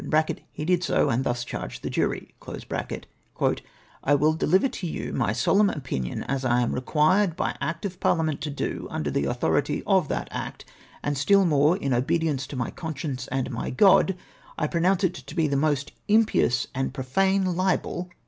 " (He did so, and thus charged the jury :)"' I will deliver to you my solemn opinion, as I am required by Act of Parliament to do ; under the authority of that Act, and still more, in obedience to my conscience and my God, I pro nounce it to be a most impious and profane libel.